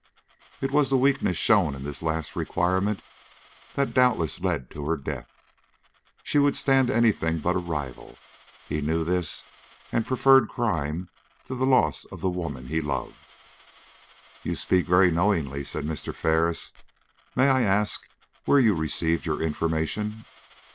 It was the weakness shown in this last requirement that doubtless led to her death. She would stand any thing but a rival. He knew this, and preferred crime to the loss of the woman he loved." "You speak very knowingly," said Mr. Ferris. "May I ask where you received your information?"